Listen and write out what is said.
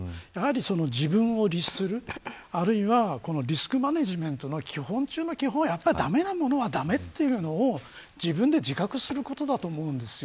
自分を律する、あるいはリスクマネジメントの基本中の基本はやっぱり駄目なものは駄目というのを自分で自覚することだと思うんです。